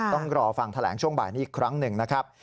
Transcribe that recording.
ต้องรอฟังแถลงช่วงบ่ายนี้อีกครั้งหนึ่งนะครับ